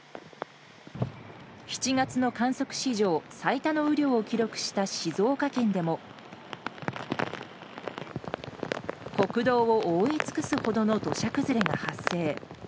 ７月の観測史上最多の雨量を記録した静岡県でも国道を覆い尽くすほどの土砂崩れが発生。